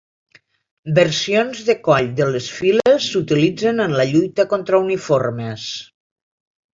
Versions de coll de les files s'utilitzen en la lluita contra uniformes.